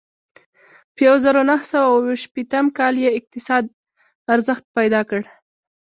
په یوه زرو نهه سوه اوه شپېتم کال کې یې اقتصاد ارزښت پیدا کړ.